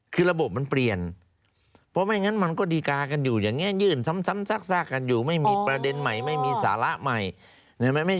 คือระบบมันเปลี่ยนเพราะไม่งั้นมันก็ดีการ์กันอยู่อย่างนี้ยื่นซ้ำซากกันอยู่ไม่มีประเด็นใหม่ไม่มีสาระใหม่